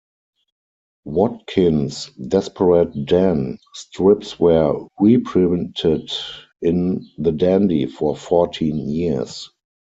Watkins' "Desperate Dan" strips were reprinted in "The Dandy" for fourteen years.